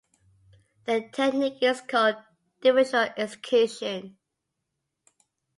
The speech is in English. The technique is called differential execution.